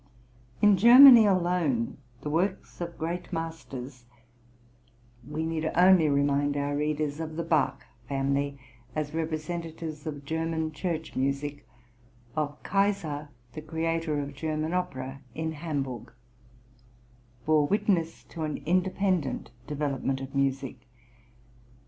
In Germany alone, the works of great masters (we need only remind our readers of the Bach family as representatives of German church music; of Keiser, the creator of German opera in Hamburg) bore witness to an independent development of music.